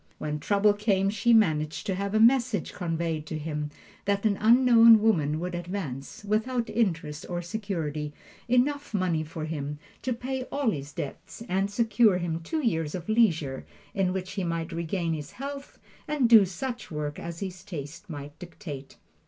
When trouble came she managed to have a message conveyed to him that an unknown woman would advance, without interest or security, enough money for him to pay all his debts and secure him two years of leisure in which he might regain his health and do such work as his taste might dictate.